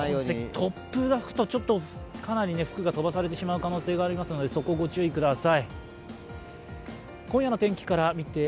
突風が吹くと、かなり服が飛ばされる可能性があるので、ご注意ください。